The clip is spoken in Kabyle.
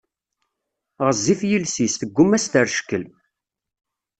Ɣezzif yiles-is, tegguma ad as-terr ckkel.